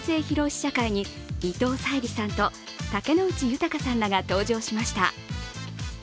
試写会に伊藤沙莉さんと竹野内豊さんらが登場しました。